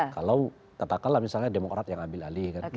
kalau katakanlah misalnya demokrat yang ambil alih